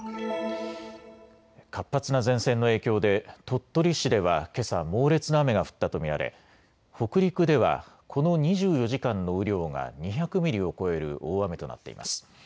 活発な前線の影響で鳥取市ではけさ猛烈な雨が降ったと見られ北陸ではこの２４時間の雨量が２００ミリを超える大雨となっています。